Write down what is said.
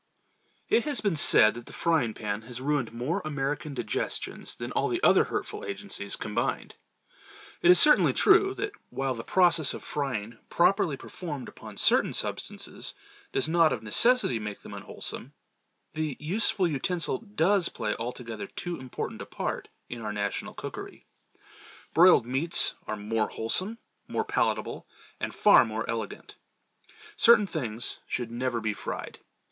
IT has been said that the frying pan has ruined more American digestions than all the other hurtful agencies combined. It is certainly true that while the process of frying properly performed upon certain substances does not of necessity, make them unwholesome—the useful utensil does play altogether too important a part in our National cookery. Broiled meats are more wholesome, more palatable, and far more elegant. Certain things should never be fried.